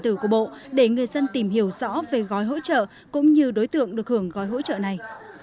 tử của bộ để người dân tìm hiểu rõ về gói hỗ trợ cũng như đối tượng được hưởng gói hỗ trợ này